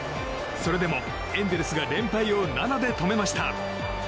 それでもエンゼルスが連敗を７で止めました。